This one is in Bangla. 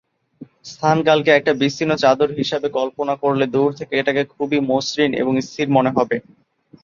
স্থান-কাল'কে একটা বিস্তীর্ণ চাদর হিসাবে কল্পনা করলে দূর থেকে এটাকে খুবই মসৃণ এবং স্থির মনে হবে।